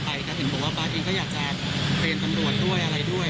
แต่เห็นบอกว่าบาสเองก็อยากจะเรียนตำรวจด้วยอะไรด้วย